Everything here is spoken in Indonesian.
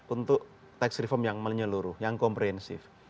untuk tax reform yang menyeluruh yang komprehensif